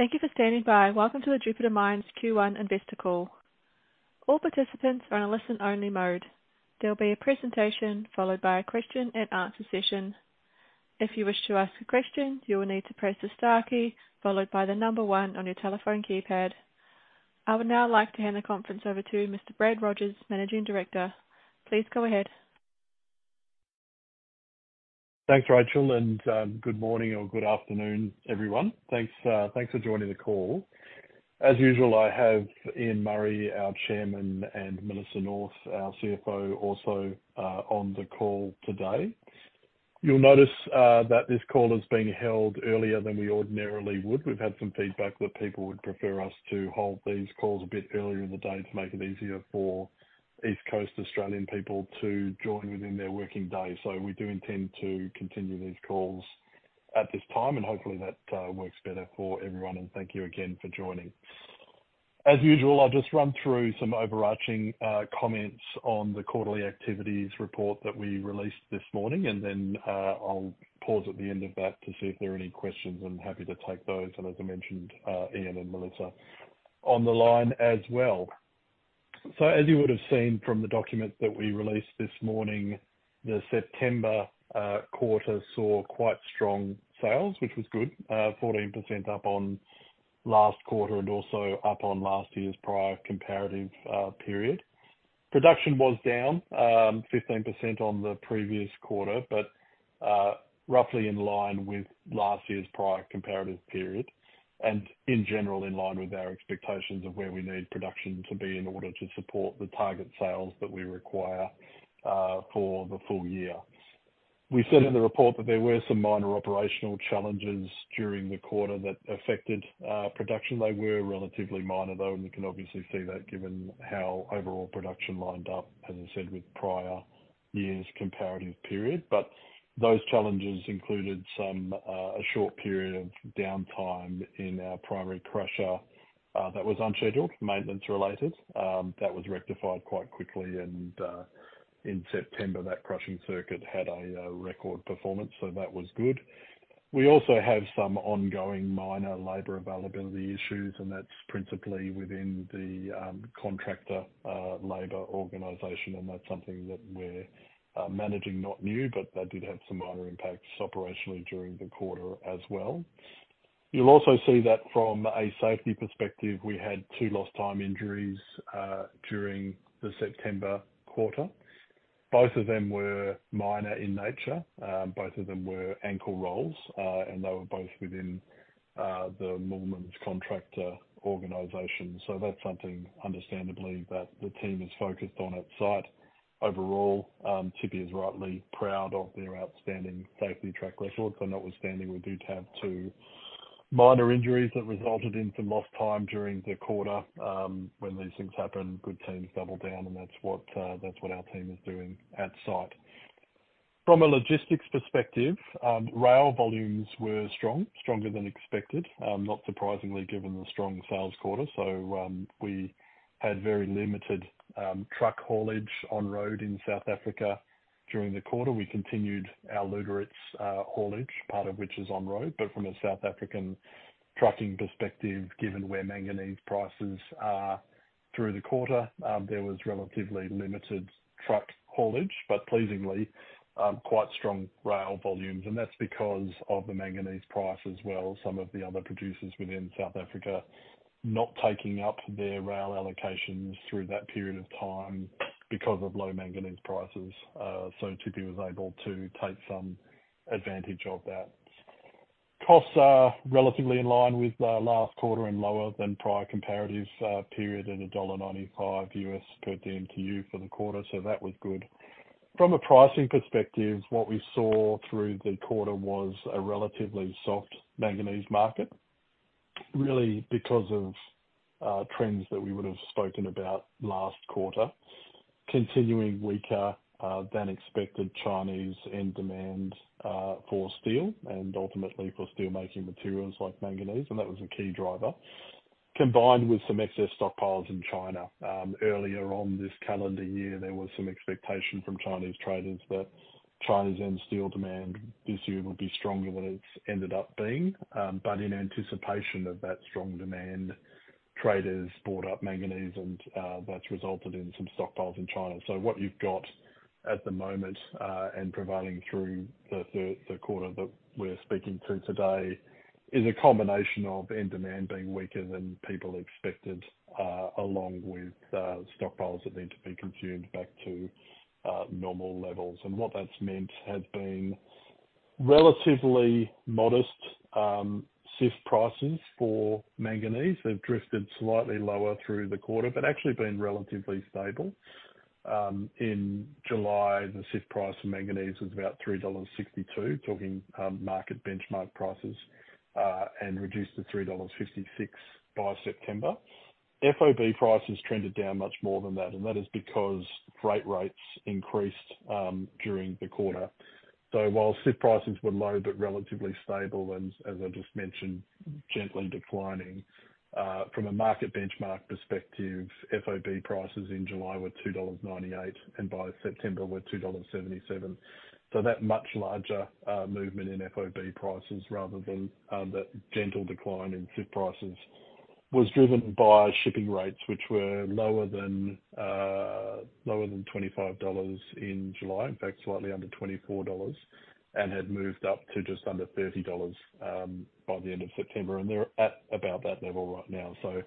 Thank you for standing by. Welcome to the Jupiter Mines Q1 investor call. All participants are on a listen-only mode. There will be a presentation followed by a question-and-answer session. If you wish to ask a question, you will need to press the star key followed by the number one on your telephone keypad. I would now like to hand the conference over to Mr. Brad Rogers, Managing Director. Please go ahead. Thanks, Rachel, and good morning or good afternoon, everyone. Thanks, thanks for joining the call. As usual, I have Ian Murray, our Chairman, and Melissa North, our CFO, also on the call today. You'll notice that this call is being held earlier than we ordinarily would. We've had some feedback that people would prefer us to hold these calls a bit earlier in the day to make it easier for East Coast Australian people to join within their working day. So we do intend to continue these calls at this time, and hopefully, that works better for everyone, and thank you again for joining. As usual, I'll just run through some overarching comments on the quarterly activities report that we released this morning, and then I'll pause at the end of that to see if there are any questions. I'm happy to take those, and as I mentioned, Ian and Melissa on the line as well. So as you would have seen from the document that we released this morning, the September quarter saw quite strong sales, which was good. 14% up on last quarter and also up on last year's prior comparative period. Production was down 15% on the previous quarter, but roughly in line with last year's prior comparative period, and in general, in line with our expectations of where we need production to be in order to support the target sales that we require for the full year. We said in the report that there were some minor operational challenges during the quarter that affected production. They were relatively minor, though, and you can obviously see that given how overall production lined up, as I said, with prior years' comparative period. But those challenges included some, a short period of downtime in our primary crusher, that was unscheduled, maintenance-related. That was rectified quite quickly, and, in September, that crushing circuit had a record performance, so that was good. We also have some ongoing minor labor availability issues, and that's principally within the contractor labor organization, and that's something that we're managing, not new, but that did have some minor impacts operationally during the quarter as well. You'll also see that from a safety perspective, we had two Lost Time Injuries during the September quarter. Both of them were minor in nature. Both of them were ankle rolls, and they were both within the movement's contractor organization. So that's something, understandably, that the team is focused on at site. Overall, Tshipi is rightly proud of their outstanding safety track record, but notwithstanding, we do have two minor injuries that resulted in some lost time during the quarter. When these things happen, good teams double down, and that's what our team is doing at site. From a logistics perspective, rail volumes were strong, stronger than expected, not surprisingly, given the strong sales quarter. So, we had very limited truck haulage on road in South Africa during the quarter. We continued our Lüderitz haulage, part of which is on road, but from a South African trucking perspective, given where manganese prices are through the quarter, there was relatively limited truck haulage, but pleasingly, quite strong rail volumes. That's because of the manganese price as well as some of the other producers within South Africa not taking up their rail allocations through that period of time because of low manganese prices. So Tshipi was able to take some advantage of that. Costs are relatively in line with the last quarter and lower than prior comparative period at $1.95 US per DMTU for the quarter, so that was good. From a pricing perspective, what we saw through the quarter was a relatively soft manganese market, really because of, trends that we would have spoken about last quarter. Continuing weaker than expected Chinese end demand for steel and ultimately for steelmaking materials like manganese, and that was a key driver, combined with some excess stockpiles in China. Earlier on this calendar year, there was some expectation from Chinese traders that China's end steel demand this year would be stronger than what it's ended up being. But in anticipation of that strong demand, traders bought up manganese and that's resulted in some stockpiles in China. So what you've got at the moment and prevailing through the quarter that we're speaking to today is a combination of end demand being weaker than people expected along with stockpiles that need to be consumed back to normal levels. And what that's meant has been relatively modest CIF prices for manganese. They've drifted slightly lower through the quarter, but actually been relatively stable. In July, the CIF price for manganese was about $3.62, talking market benchmark prices, and reduced to $3.56 by September. FOB prices trended down much more than that, and that is because freight rates increased during the quarter. So while CIF prices were low but relatively stable and, as I just mentioned, gently declining from a market benchmark perspective, FOB prices in July were $2.98, and by September were $2.77. So that much larger movement in FOB prices rather than that gentle decline in CIF prices was driven by shipping rates, which were lower than $25 in July. In fact, slightly under $24, and had moved up to just under $30 by the end of September, and they're at about that level right now. So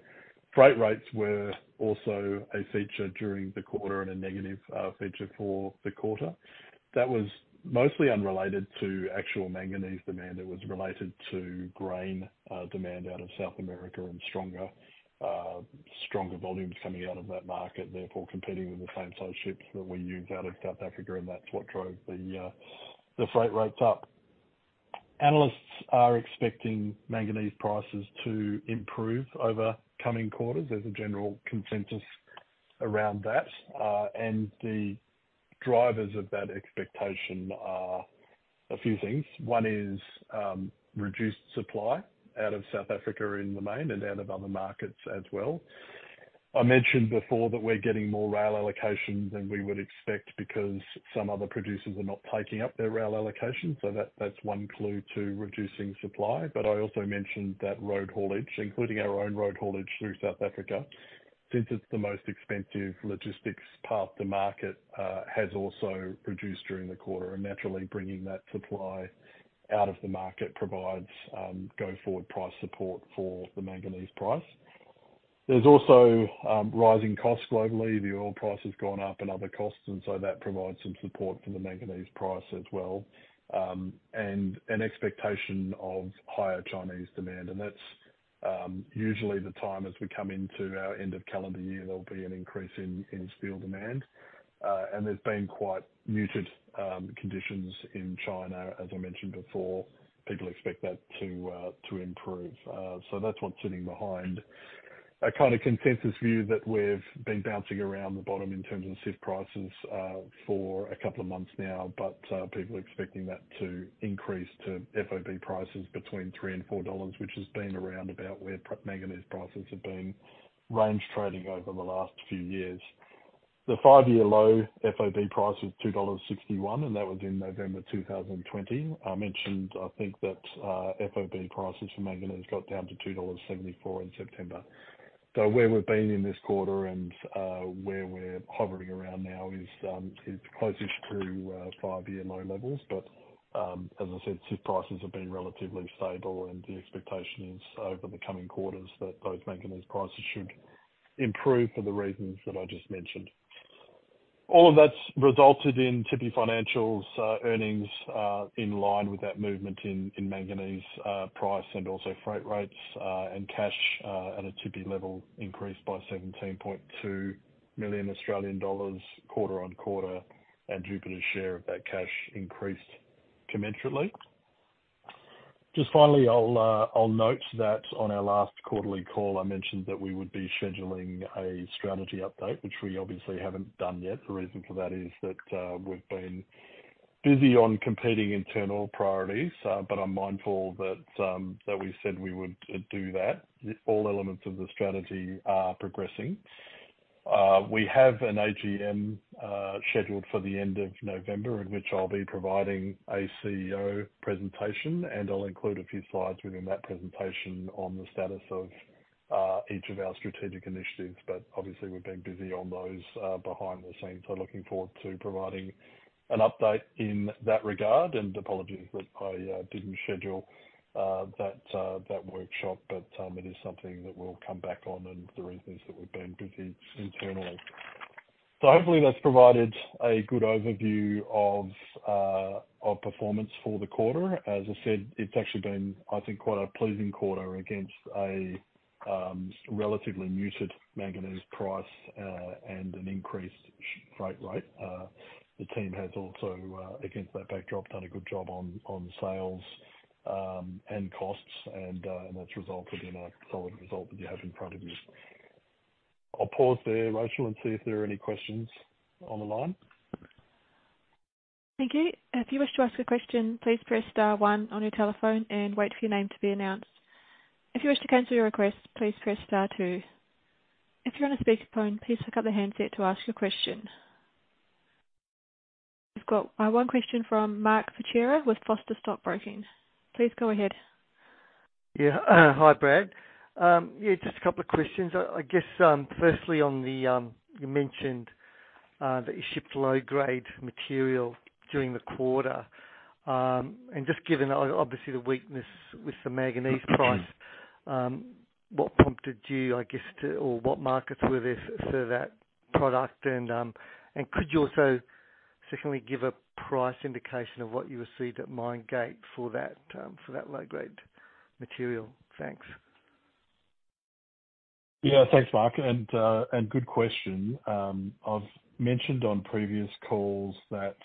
freight rates were also a feature during the quarter and a negative feature for the quarter. That was mostly unrelated to actual manganese demand. It was related to grain demand out of South America and stronger volumes coming out of that market, therefore, competing with the same size ships that we use out of South Africa, and that's what drove the freight rates up. Analysts are expecting manganese prices to improve over coming quarters. There's a general consensus around that, and the drivers of that expectation are a few things. One is, reduced supply out of South Africa in the main and out of other markets as well. I mentioned before that we're getting more rail allocation than we would expect because some other producers are not taking up their rail allocation, so that's one clue to reducing supply. But I also mentioned that road haulage, including our own road haulage through South Africa, since it's the most expensive logistics path to market, has also reduced during the quarter. And naturally, bringing that supply out of the market provides go-forward price support for the manganese price. There's also rising costs globally. The oil price has gone up and other costs, and so that provides some support for the manganese price as well. And an expectation of higher Chinese demand, and that's usually the time as we come into our end of calendar year, there'll be an increase in steel demand. There's been quite muted conditions in China, as I mentioned before. People expect that to improve. So that's what's sitting behind a kind of consensus view that we've been bouncing around the bottom in terms of CIF prices for a couple of months now. But people are expecting that to increase to FOB prices between $3-$4, which has been around about where manganese prices have been range trading over the last few years. The five-year low FOB price is $2.61, and that was in November 2020. I mentioned, I think that, FOB prices for manganese got down to $2.74 in September. So where we've been in this quarter and where we're hovering around now is closest to five-year low levels. As I said, CIF prices have been relatively stable, and the expectation is over the coming quarters that both manganese prices should improve for the reasons that I just mentioned. All of that's resulted in Tshipi's financials earnings in line with that movement in manganese price and also freight rates and cash at a Tshipi level increased by 17.2 million Australian dollars quarter-over-quarter, and Jupiter's share of that cash increased commensurately. Just finally, I'll note that on our last quarterly call, I mentioned that we would be scheduling a strategy update, which we obviously haven't done yet. The reason for that is that we've been busy on competing internal priorities, but I'm mindful that we said we would do that. All elements of the strategy are progressing. We have an AGM scheduled for the end of November, in which I'll be providing a CEO presentation, and I'll include a few slides within that presentation on the status of each of our strategic initiatives. But obviously, we've been busy on those behind the scenes. So looking forward to providing an update in that regard, and apologies that I didn't schedule that workshop, but it is something that we'll come back on, and the reason is that we've been busy internally. So hopefully, that's provided a good overview of performance for the quarter. As I said, it's actually been, I think, quite a pleasing quarter against a relatively muted manganese price and an increased freight rate. The team has also, against that backdrop, done a good job on, on sales, and costs, and that's resulted in a solid result that you have in front of you. I'll pause there, Rachel, and see if there are any questions on the line. Thank you. If you wish to ask a question, please press star one on your telephone and wait for your name to be announced. If you wish to cancel your request, please press star two. If you're on a speakerphone, please pick up the handset to ask your question. We've got one question from Mark Fichera with Foster Stockbroking. Please go ahead. Yeah. Hi, Brad. Yeah, just a couple of questions. I guess, firstly, on the, you mentioned that you shipped low-grade material during the quarter. And just given obviously, the weakness with the manganese price, what prompted you, I guess, to... or what markets were there for that product? And, and could you also secondly, give a price indication of what you received at mine gate for that, for that low-grade material? Thanks. Yeah, thanks, Mark, and good question. I've mentioned on previous calls that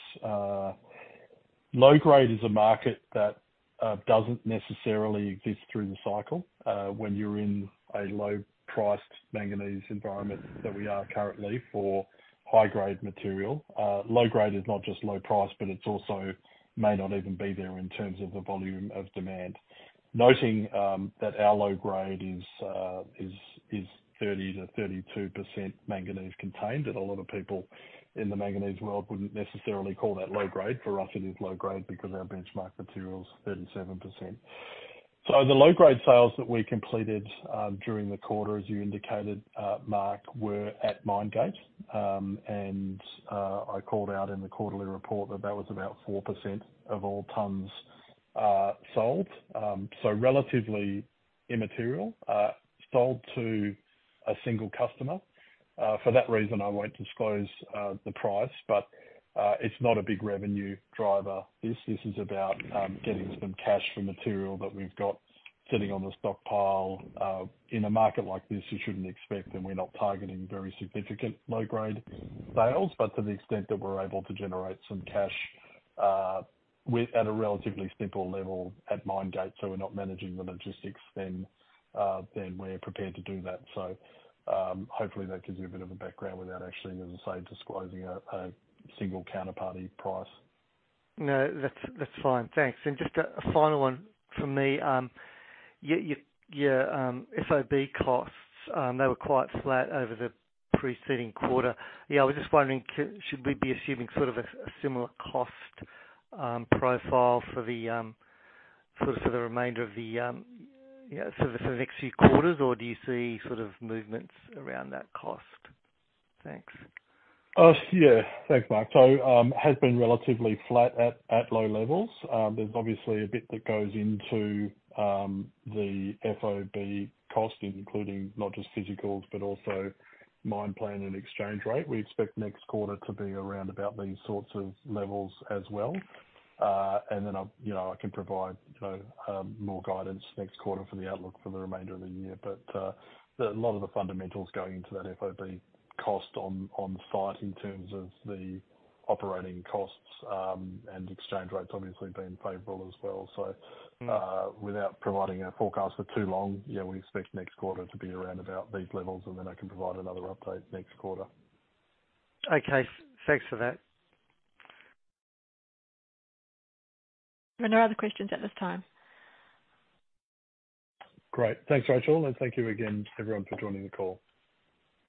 low grade is a market that doesn't necessarily exist through the cycle. When you're in a low-priced manganese environment that we are currently for high-grade material. Low-grade is not just low price, but it's also may not even be there in terms of the volume of demand. Noting that our low grade is 30%-32% manganese contained, and a lot of people in the manganese world wouldn't necessarily call that low grade. For us, it is low grade because our benchmark material is 37%. So the low grade sales that we completed during the quarter, as you indicated, Mark, were at mine gate. I called out in the quarterly report that that was about 4% of all tons sold. So relatively immaterial, sold to a single customer. For that reason, I won't disclose the price, but it's not a big revenue driver. This, this is about getting some cash from material that we've got sitting on the stockpile. In a market like this, you shouldn't expect, and we're not targeting very significant low-grade sales. But to the extent that we're able to generate some cash, we at a relatively simple level, at mine gate, so we're not managing the logistics, then we're prepared to do that. So, hopefully that gives you a bit of a background without actually, as I say, disclosing a single counterparty price. No, that's, that's fine. Thanks. And just a final one from me. Your FOB costs, they were quite flat over the preceding quarter. Yeah, I was just wondering should we be assuming sort of a similar cost profile for sort of for the remainder of the yeah, so for the next few quarters, or do you see sort of Moolmans around that cost? Thanks. Yeah. Thanks, Mark. So, has been relatively flat at low levels. There's obviously a bit that goes into the FOB cost, including not just physicals, but also mine plan and exchange rate. We expect next quarter to be around about these sorts of levels as well. And then I'll... You know, I can provide, you know, more guidance next quarter for the outlook for the remainder of the year. But a lot of the fundamentals going into that FOB cost on site in terms of the operating costs and exchange rates obviously being favorable as well. So- Mm. Without providing our forecast for too long, yeah, we expect next quarter to be around about these levels, and then I can provide another update next quarter. Okay. Thanks for that. There are no other questions at this time. Great. Thanks, Rachel, and thank you again, everyone, for joining the call.